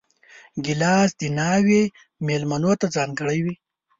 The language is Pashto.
ګیلاس د ناوې مېلمنو ته ځانګړی وي.